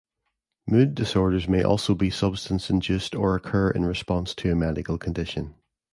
Mood disorders may also be substance-induced or occur in response to a medical condition.